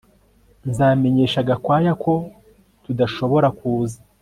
Nzamenyesha Gakwaya ko tudashobora kuza